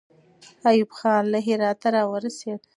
ایوب خان له هراته راورسېد.